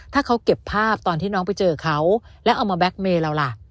ถ้าเขาเก็บภาพตอนที่น้องไปเจอเขาแล้วเอามาแก๊กเมย์เราล่ะ